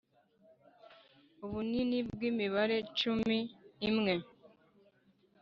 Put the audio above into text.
ubunini bw’imibare cm imwe